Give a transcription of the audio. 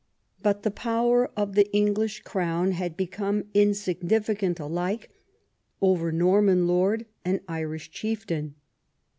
But the power of the English crown had become insignificant alike over Norman lord and Irish chieftain.